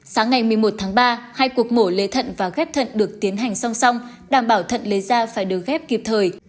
sáng ngày một mươi một tháng ba hai cuộc mổ lấy thận và ghép thận được tiến hành song song đảm bảo thận lấy da phải được ghép kịp thời